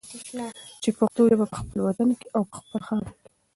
چې پښتو ژبه په خپل وطن کې او په خپله خاوره کې